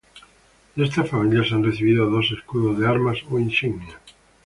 De esta familia se han recibido dos escudos de armas o insignias.